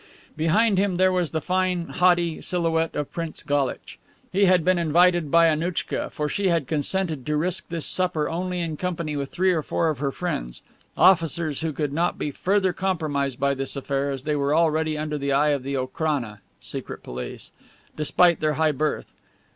Behind him there was the fine, haughty silhouette of Prince Galitch. He had been invited by Annouchka, for she had consented to risk this supper only in company with three or four of her friends, officers who could not be further compromised by this affair, as they were already under the eye of the Okrana (Secret Police) despite their high birth.